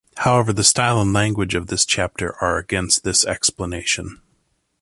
However, the style and language of this chapter are against this explanation.